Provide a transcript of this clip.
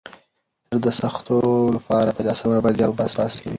نر د سختیو لپاره پیدا سوی او باید زیار وباسئ.